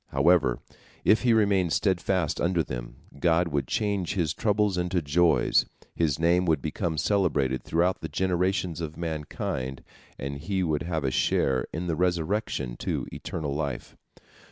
However, if he remained steadfast under them, God would change his troubles into joys, his name would become celebrated throughout the generations of mankind, and he would have a share in the resurrection to eternal life.